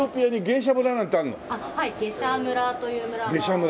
ゲシャ村という村が。